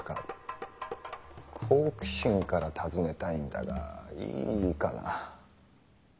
好奇心から尋ねたいんだがいいかな？